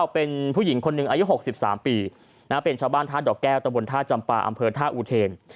เป็นผู้หญิงคนหนึ่งอายุ๖๓ปีเป็นชาวบ้านท่าดอกแก้วตะบนท่าจำปาอำเภอท่าอุเทน